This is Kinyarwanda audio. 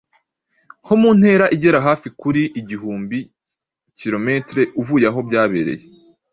nko mu ntera igera hafi kuri igihumbi km uvuye aho byabereye.